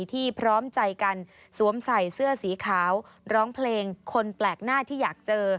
ที่พร้อมใจกันสวมใส่เสื้อสีขาวร้องเพลงคนแปลกหน้าที่อยากเจอ